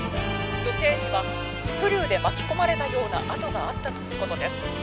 女性にはスクリューで巻き込まれたような痕があったということです。